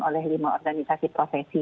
oleh lima organisasi profesi